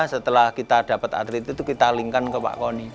setelah kita dapat atlet itu kita link ke mereka